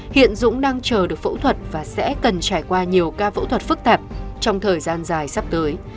hiện dũng đang chờ được phẫu thuật và sẽ cần trải qua nhiều ca phẫu thuật phức tạp trong thời gian dài sắp tới